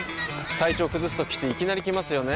体調崩すときっていきなり来ますよね。